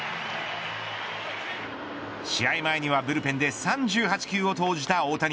試合前にはブルペンで３８球を投じた大谷。